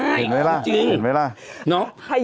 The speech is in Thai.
เห็นไหมล่ะจริงเห็นไหมล่ะ